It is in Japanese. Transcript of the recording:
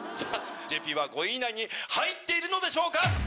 ＪＰは５位以内に入っているのでしょうか